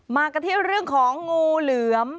มากันที่เรื่องของงูเหลือม